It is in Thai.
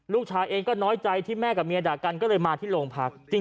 ลูกชายเองก็น้อยใจที่แม่กับเมียด่ากันก็เลยมาที่โรงพัก